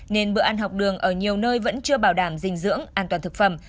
nên bữa ăn học đường ở nhiều nơi vẫn chưa bảo đảm dinh dưỡng an toàn thực phẩm